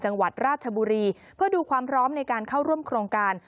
จังหวัดราชบุรีเพื่อดูความพร้อมในการเข้าร่วมโครงการ